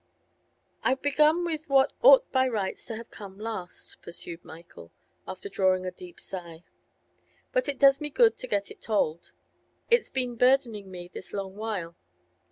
'I've begun with what ought by rights to have come last,' pursued Michael, after drawing a deep sigh. 'But it does me good to get it told; it's been burdening me this long while.